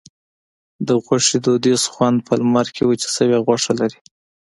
د غوښې دودیز خوند په لمر کې وچه شوې غوښه لري.